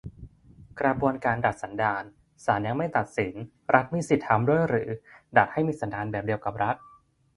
"กระบวนการดัดสันดาน" ? ศาลยังไม่ตัดสิน รัฐมีสิทธิทำด้วยหรือ ? ดัดให้มีสันดานแบบเดียวกับรัฐ ?